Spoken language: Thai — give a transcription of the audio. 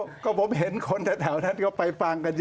เพราะผมเห็นคนถ้าแถวนั้นไปฟังกันเยอะ